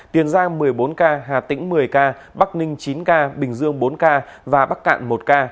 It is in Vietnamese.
tiền giang một mươi bốn ca hà tĩnh một mươi ca bắc ninh chín ca bình dương bốn ca và bắc cạn một ca